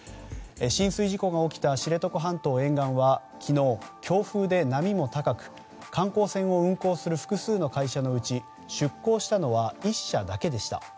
浸水事故が起きた知床半島沿岸は昨日、強風で波も高く、観光船を運航する複数の会社のうち出航したのは１社だけでした。